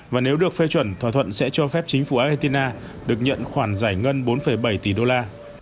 và nếu được phê chuẩn thỏa thuận sẽ cho phép chính phủ argentina được nhận khoản giải ngân bốn bảy tỷ đô la